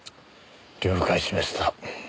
了解しました。